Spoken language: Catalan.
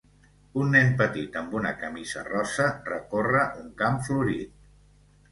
un nen petit amb una camisa rosa recorre un camp florit.